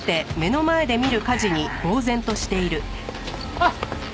あっ！